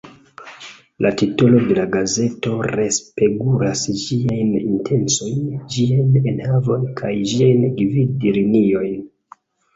La titolo de la gazeto respegulas ĝiajn intencojn, ĝian enhavon kaj ĝiajn gvid-liniojn.